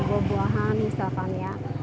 buah buahan misalkan ya